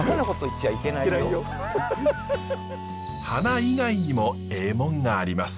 花以外にもえぇモンがあります。